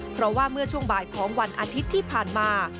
เพราะว่าเมื่อช่วงบ่ายของวันอาทิตย์ที่ผ่านมา